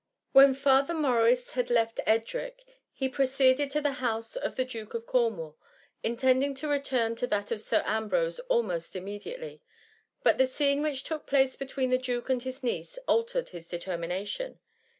When Father Morris had left Edric, he proceeded to the house of the Duke of Corn wall^ intending to return to that of Sir Ambrose almost immediately ; but the scene which took place between the duke and his niece, altered his determination.